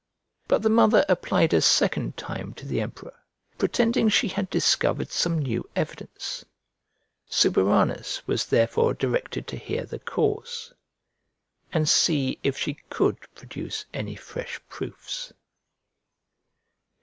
But the mother applied a second time to the emperor, pretending she had discovered some new evidence. Suburanus was therefore directed to hear the cause, and see if she could produce any fresh proofs.